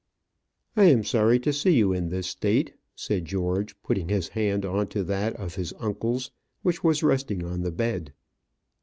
"I am sorry to see you in this state," said George, putting his hand on to that of his uncle's, which was resting on the bed.